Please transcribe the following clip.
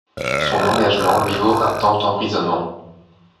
Son engagement lui vaut un temps d’emprisonnement.